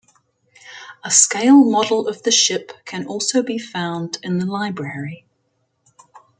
A scale model of the ship can also be found in the library.